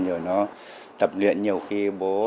nhiều khi nó không có tập luyện nhiều khi nó không có tập luyện